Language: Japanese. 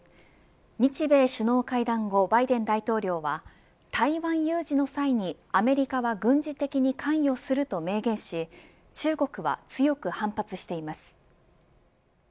日米首脳会談後バイデン大統領は台湾有事の際にアメリカは軍事的に関与すると明言し中国は強く反発しています。